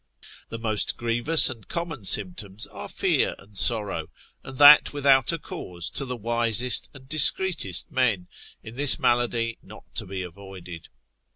The most grievous and common symptoms are fear and sorrow, and that without a cause to the wisest and discreetest men, in this malady not to be avoided.